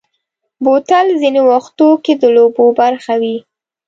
بوتل ځینې وختو کې د لوبو برخه وي.